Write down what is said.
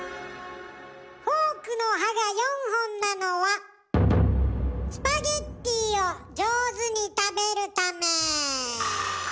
フォークの歯が４本なのはスパゲッティを上手に食べるため。